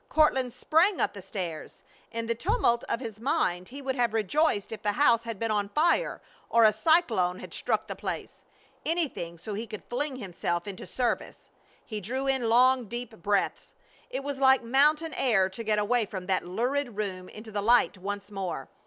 Courtland sprang up the stairs. In the tumult of his mind he would have rejoiced if the house had been on fire, or a cyclone had struck the place anything so he could fling himself into service. He drew in long, deep breaths. It was like mountain air to get away from that lurid room into the light once more.